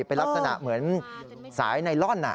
เป็นลักษณะเหมือนสายไนลอน